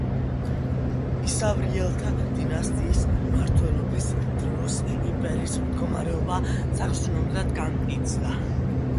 ისავრიელთა დინასტიის მმართველობის დროს იმპერიის მდგომარეობა საგრძნობლად განმტკიცდა.